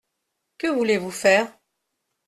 Que voulez-vous faire ?